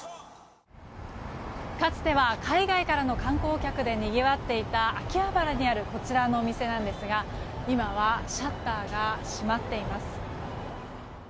かつては海外からの観光客でにぎわっていた秋葉原にあるこちらのお店なんですが今はシャッターが閉まっています。